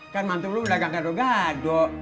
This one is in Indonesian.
kan mantu lu udah gak gaduh gaduh